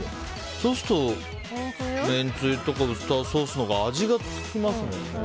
そうすると、めんつゆとかウスターソースのほうが味がつきますもんね。